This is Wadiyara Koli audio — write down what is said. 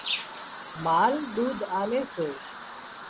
مال ۮُوڌ آلي سي